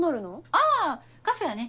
ああカフェはね